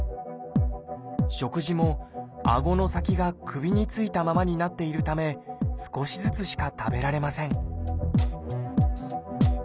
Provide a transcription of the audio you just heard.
食事もあごの先が首についたままになっているため少しずつしか食べられません